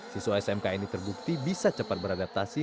siswa smk ini terbukti bisa cepat beradaptasi